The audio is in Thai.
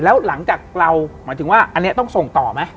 แล้วหลังจากเราหมายถึงว่าอันนี้ต้องส่งต่อไหม